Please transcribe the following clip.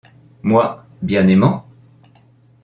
Moi, bien-aimant !